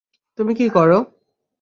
তুমি কি করো?